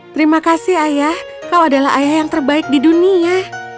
terima kasih ayah kau adalah ayah yang terbaik di dunia